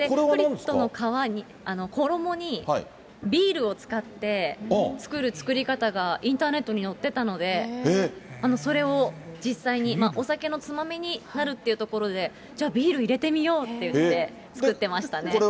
フリットの皮に、衣にビールを使って作る作り方がインターネットに載ってたので、それを実際に、お酒のつまみになるっていうところで、じゃあ、ビール入れてみようっていって、作ってましたね。